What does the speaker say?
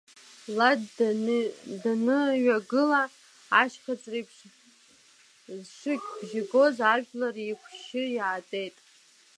Лад даныҩагыла, ашьхыҵә реиԥш зшыкь бжьы гоз ажәлар еиқәшьшьы иаатәеит.